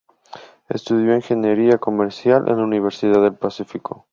Estudió Ingeniería Comercial en la Universidad del Pacífico.